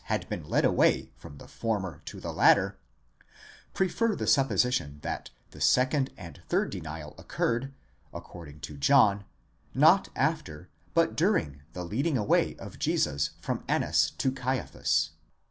659 had been led away from the former to the latter, prefer the supposition that the second and third denial occurred, according to John, not after, but during the leading away of Jesus from Annas to Caiaphas.?